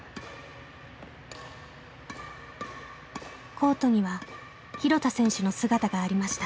コートには廣田選手の姿がありました。